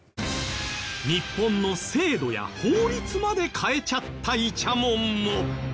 日本の制度や法律まで変えちゃったイチャモンも。